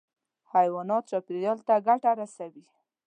حیوانات چاپېریال ته ګټه رسوي.